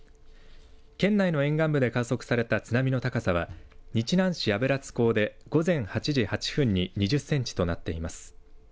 県内の沿岸部で観測された津波の高さは日南市油津港で午前８時８分に２０センチとなっています。